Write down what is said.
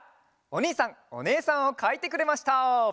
おにいさんおねえさんをかいてくれました！